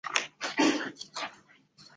招差术是中国古代数学中的高次内插法。